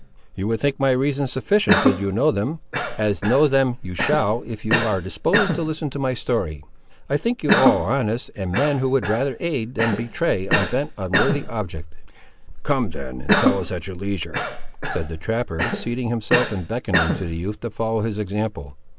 "You would think my reasons sufficient did you know them, as know them you shall if you are disposed to listen to my story. I think you all honest, and men who would rather aid than betray one bent on a worthy object." "Come, then, and tell us at your leisure," said the trapper, seating himself, and beckoning to the youth to follow his example.